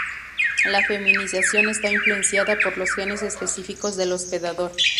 La feminización está influenciada por los genes específicos del hospedador.